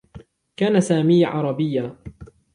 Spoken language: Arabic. كان سامي عربيّا.